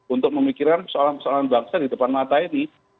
untuk memikirkan persoalan persoalan bangsa di depan mata ini